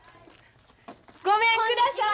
ごめんください！